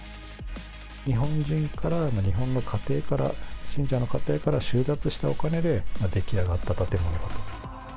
日本人から、日本の家庭から、信者の家庭から収奪したお金で出来上がった建物。